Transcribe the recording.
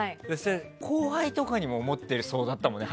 後輩とかにも思ってそうだったもんね。